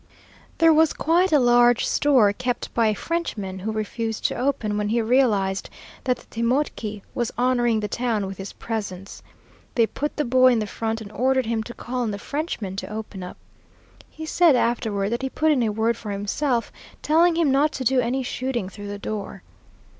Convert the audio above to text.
There was quite a large store kept by a Frenchman, who refused to open, when he realized that the Timochi was honoring the town with his presence. They put the boy in the front and ordered him to call on the Frenchman to open up. He said afterward that he put in a word for himself, telling him not to do any shooting through the door.